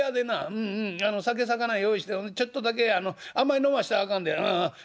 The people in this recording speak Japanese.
うん酒さかな用意してちょっとだけあんまり飲ませたらあかんでうんうん。